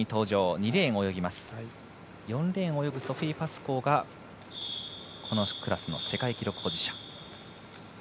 ４レーンを泳ぐソフィー・パスコーがこのクラスの世界記録保持者。